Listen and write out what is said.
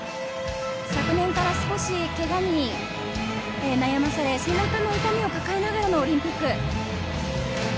昨年から少しけがに悩まされ、痛みを抱えながらのオリンピック。